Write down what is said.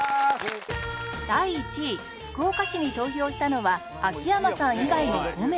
第１位福岡市に投票したのは秋山さん以外の５名